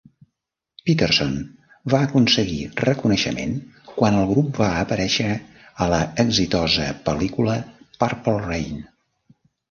Peterson va aconseguir reconeixement quan el grup va aparèixer a l'exitosa pel·lícula "Purple Rain".